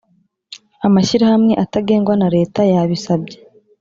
amashyirahamwe atagengwa na leta yabisabye